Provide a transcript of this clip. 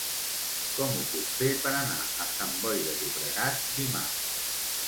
Com ho puc fer per anar a Sant Boi de Llobregat dimarts?